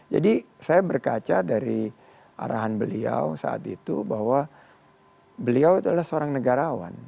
jadi saya berkaca dari arahan beliau saat itu bahwa beliau itu adalah seorang negarawan